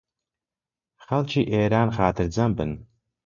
خەڵکی ئێران خاترجەم بن